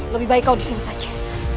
lebih baik kau disini saja